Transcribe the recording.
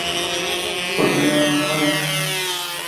Posee buena memoria.